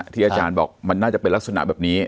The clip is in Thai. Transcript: อาจารย์บอกมันน่าจะเป็นลักษณะแบบนี้